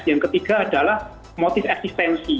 yang ketiga adalah motif eksistensi